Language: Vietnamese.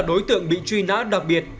đối tượng bị truy nã đặc biệt